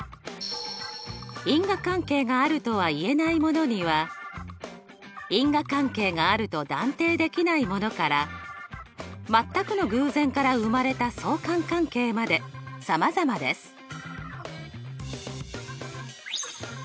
因果関係があるとはいえないものには因果関係があると断定できないものからまったくの偶然から生まれた相関関係までさまざまです。